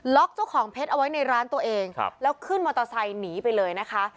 เจ้าของเพชรเอาไว้ในร้านตัวเองครับแล้วขึ้นมอเตอร์ไซค์หนีไปเลยนะคะ